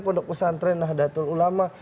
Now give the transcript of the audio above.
pondok pesantren nah datul ulama